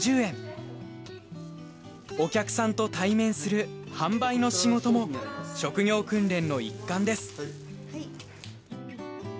お客さんと対面する販売の仕事も職業訓練の一環です。